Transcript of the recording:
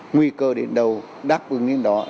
nguy cơ đến đâu đáp ứng đến đó